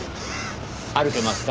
歩けますか？